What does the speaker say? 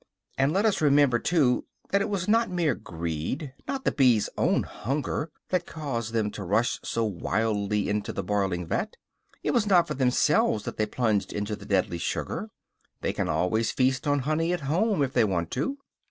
And let us remember too that it was not mere greed, not the bees' own hunger, that caused them to rush so wildly into the boiling vat. It was not for themselves that they plunged into the deadly sugar; they can always feast on honey at home, if they want to.